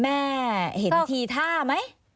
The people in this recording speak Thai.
แม่เห็นทีท่าไหม